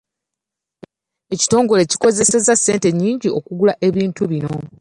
Ekitongole kikozeseza ssente nnyingi okugula ebintu bino.